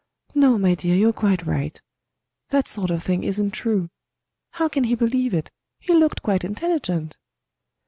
"No, my dear, you're quite right. That sort of thing isn't true. How can he believe it? He looked quite intelligent!"